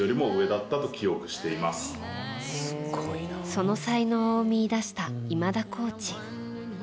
その才能を見いだした今田コーチ。